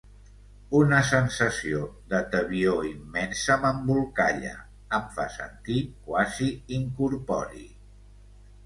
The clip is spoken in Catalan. Una sensació de tebior immensa m'embolcalla, em fa sentir quasi incorpori.